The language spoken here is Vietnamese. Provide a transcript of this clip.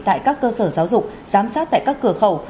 tại các cơ sở giáo dục giám sát tại các cửa khẩu